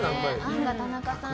アンガ田中さん